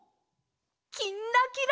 「きんらきら」。